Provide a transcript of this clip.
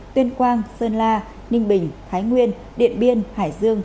tuyên quang sơn la ninh bình thái nguyên điện biên hải dương